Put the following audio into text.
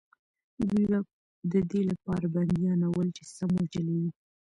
دوی به د دې لپاره بندیانول چې سم وچلېږي.